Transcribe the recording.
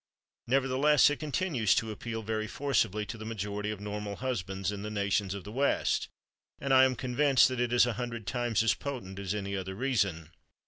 Nevertheless, it continues to appeal very forcibly to the majority of normal husbands in the nations of the West, and I am convinced that it is a hundred times as potent as any other reason.